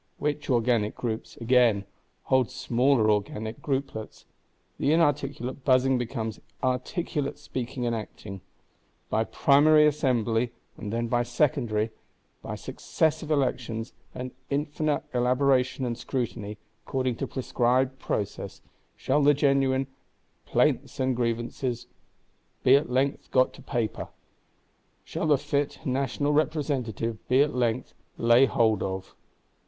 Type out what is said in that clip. Which organic groups, again, hold smaller organic grouplets: the inarticulate buzzing becomes articulate speaking and acting. By Primary Assembly, and then by Secondary; by "successive elections," and infinite elaboration and scrutiny, according to prescribed process—shall the genuine "Plaints and Grievances" be at length got to paper; shall the fit National Representative be at length laid hold of.